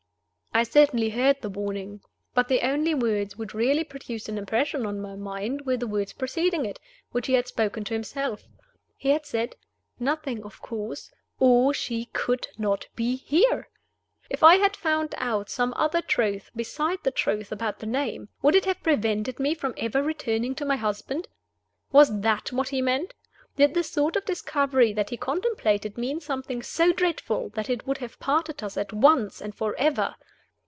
I certainly heard the warning; but the only words which really produced an impression on my mind were the words preceding it, which he had spoken to himself. He had said: "Nothing, of course, or she could not be here." If I had found out some other truth besides the truth about the name, would it have prevented me from ever returning to my husband? Was that what he meant? Did the sort of discovery that he contemplated mean something so dreadful that it would have parted us at once and forever?